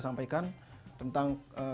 hari yang sama